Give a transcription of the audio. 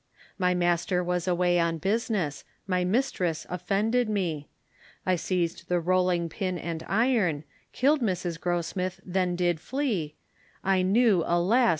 My master was away on business, My mistress offended me, I seized the rollig pin and iron, Killed Mrs. Grossmith, then did flee, I knew, alas!